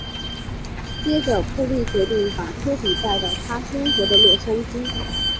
接着布莉决定把拖比带到他生活的洛杉矶。